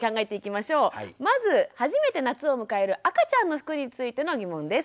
まず初めて夏を迎える赤ちゃんの服についての疑問です。